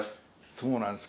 そうなんです